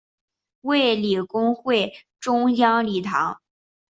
卫理公会中央礼堂。